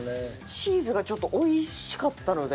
チーズがちょっとおいしかったので。